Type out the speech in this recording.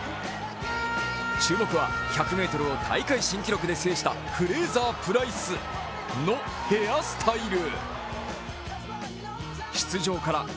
注目は１００ｍを大会新記録で制したフレイザー・プライスのヘアスタイル。